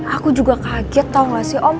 aku juga kaget tahu nggak sih om